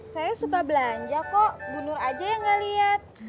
saya suka belanja kok bu nur aja yang gak lihat